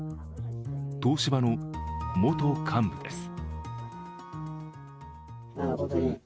東芝の元幹部です。